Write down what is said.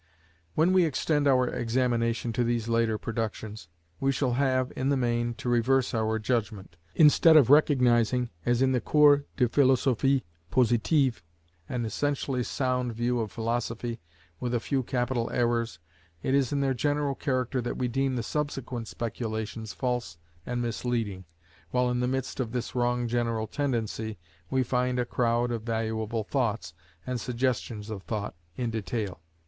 When we extend our examination to these later productions, we shall have, in the main, to reverse our judgment. Instead of recognizing, as in the Cours de Philosophic Positive, an essentially sound view of philosophy, with a few capital errors, it is in their general character that we deem the subsequent speculations false and misleading, while in the midst of this wrong general tendency, we find a crowd of valuable thoughts, and suggestions of thought, in detail.